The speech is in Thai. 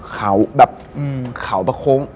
เขาแบบเขาประโค้ง